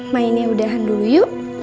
ma ini udahan dulu yuk